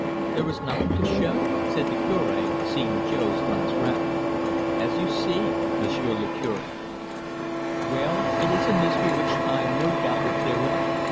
"There is nothing to show," said the Cure, seeing Jo's glance round. "As you see, M'sieu' le Cure." "Well, it is a mystery which time no doubt will clear up.